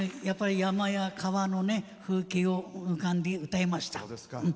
やっぱり山や川の風景を浮かべて歌いました。